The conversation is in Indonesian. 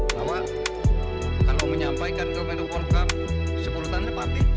bahwa kalau menyampaikan ke menopolkam sepuluh tahun depan bin